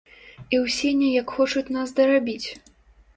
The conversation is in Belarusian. І ўсе неяк хочуць нас дарабіць.